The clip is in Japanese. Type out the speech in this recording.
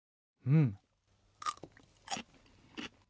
うん！